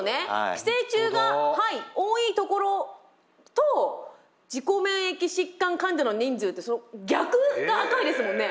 寄生虫が多い所と自己免疫疾患患者の人数って逆が赤いですもんね。